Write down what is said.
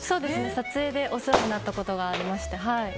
撮影でお世話になったことがありまして。